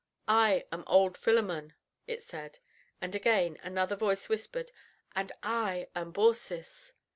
"I am old Philemon," it said; and again another voice whispered, "And I am Baucis."